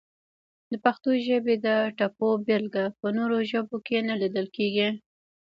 د پښتو ژبې د ټپو بېلګه په نورو ژبو کې نه لیدل کیږي!